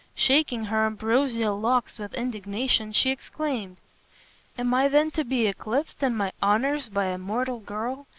Shaking her ambrosial locks with indignation, she exclaimed, "Am I then to be eclipsed in my honors by a mortal girl?